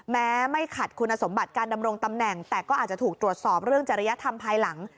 ไม่ขัดคุณสมบัติการดำรงตำแหน่งแต่ก็อาจจะถูกตรวจสอบเรื่องจริยธรรมภายหลัง